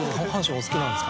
お好きなんですか？